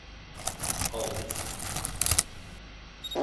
Al dostum.